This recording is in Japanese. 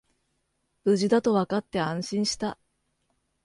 無事だとわかって安心した